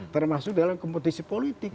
termasuk dalam kompetisi politik